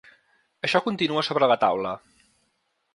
Això continua sobre la taula.